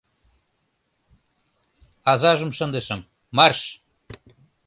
Азажым шындышым, марш!